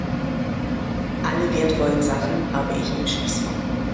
Alle wertvollen Sachen habe ich im Schließfach.